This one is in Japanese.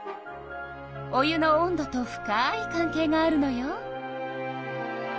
お湯の温度と深い関係があるのよ。